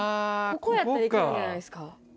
ここやったらいけるんじゃないですか？